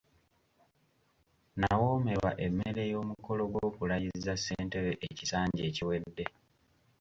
Nawoomerwa emmere y’omukolo gw’okulayiza ssentebe ekisanja ekiwedde.